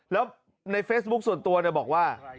แล้วในเฟซบุ๊คส่วนตัวบอกว่า